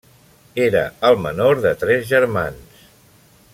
Era el menor de tres germans.